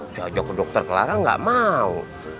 saya ajak ke dokter kelarang nggak mau